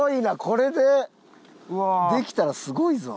これでできたらすごいぞ。